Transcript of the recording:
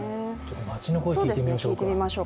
街の声を聞いてみましょう。